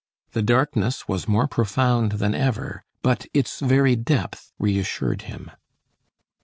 The darkness was more profound than ever, but its very depth reassured him.